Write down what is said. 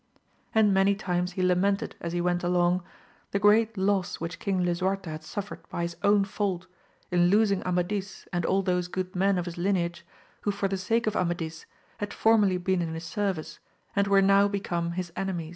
And many timea he lamented as he went along, the great loss which Bang Lisuarte had suffered by his own fault, in losing Amadis and all those good men of his lineage who for the sake of Amadis had formerly been in his service, and were now become his enemies.